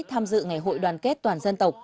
tham dự ngày hội đoàn kết toàn dân tộc